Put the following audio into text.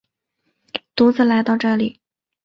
独自来到这里